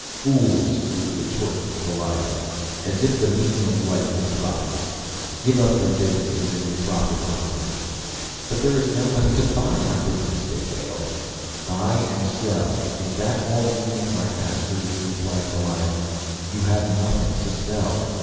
"Fools!" was the retort of Goliah. "As if the meaning of life were profits! Give up your businesses and your profit mongering." "But there is nobody to buy our business!" they wailed. "Buy and sell is that all the meaning life has for you?" replied Goliah. "You have nothing to sell.